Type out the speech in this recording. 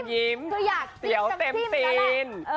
เจาว์เต็มตีน